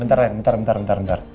bentar ren bentar bentar bentar